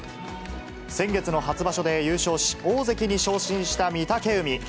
先月の初場所で優勝し、大関に昇進した御嶽海。